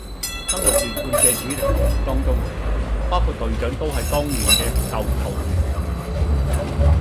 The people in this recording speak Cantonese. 今日奪冠嘅主力球員當中，包括隊長都係當年嘅舊球員